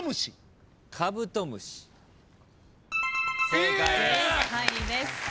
正解です。